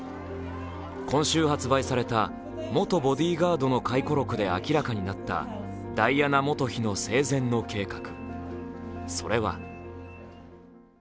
今週発売された元ボディーガードの回顧録で明らかになったダイアナ元妃の生前の計画。